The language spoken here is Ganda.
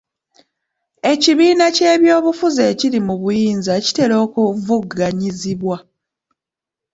Ekibiina ky'ebyobufuzi ekiri mu buyinza kitera okuvuganyizibwa.